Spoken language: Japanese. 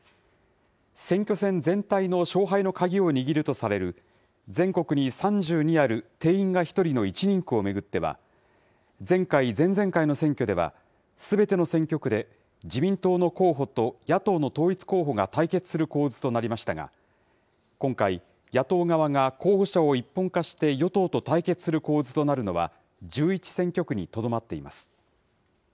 選挙戦全体の勝敗の鍵を握るとされる、全国に３２ある定員が１人の１人区を巡っては、前回、前々回の選挙では、すべての選挙区で、自民党の候補と野党の統一候補が対決する構図となりましたが、今回、野党側が候補者を一本化して与党と対決する構図となるのは、１１選挙区にとどまっています。